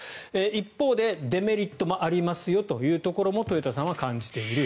一方でデメリットもありますよというところも豊田さんは感じている。